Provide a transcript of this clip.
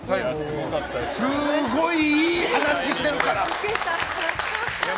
すごい、いい話してるから！